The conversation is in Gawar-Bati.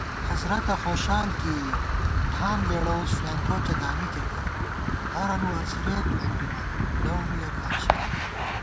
حضرَتہ خوشال کېئیَؤ ٹھان لېڑَوُس فلائینگکوچہ دامِکےپت * ہرَنُو اڅَھرېت ݫُپِمان لَورُیَہ کھانشِکےپت